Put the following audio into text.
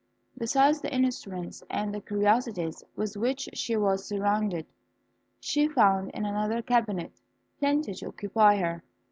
Besides the instruments and curiosities with which she was surrounded, she found in another cabinet plenty to occupy her.